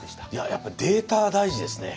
やっぱデータは大事ですね。